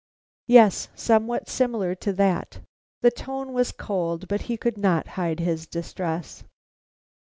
"Yes, somewhat similar to that." The tone was cold; but he could not hide his distress.